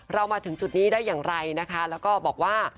มาถึงจุดนี้ได้อย่างไรนะคะแล้วก็บอกว่า